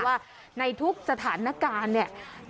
ว่าในทุกสถานการณ์เนี่ย